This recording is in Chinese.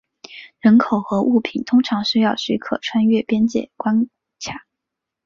人口和物品通常需要许可穿越边界关卡。